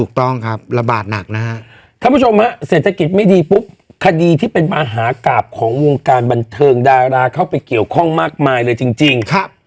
ถูกต้องครับระบาดหนักนะฮะท่านผู้ชมฮะเศรษฐกิจไม่ดีปุ๊บคดีที่เป็นมหากราบของวงการบันเทิงดาราเข้าไปเกี่ยวข้องมากมายเลยจริง